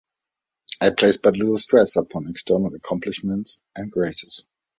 I place but little stress upon external accomplishments and graces.